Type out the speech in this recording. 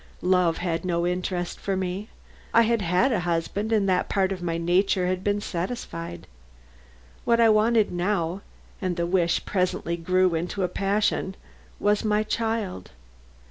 Love had no interest for me. I had had a husband, and that part of my nature had been satisfied. What I wanted now and the wish presently grew into a passion was my child.